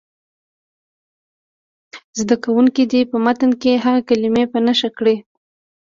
زده کوونکي دې په متن کې هغه کلمې په نښه کړي.